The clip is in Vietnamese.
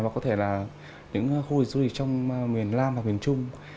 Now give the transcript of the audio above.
hoặc có thể là những khu du lịch trong miền nam và miền trung